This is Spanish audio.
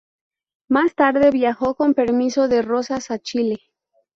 Más tarde viajó con permiso de Rosas a Chile.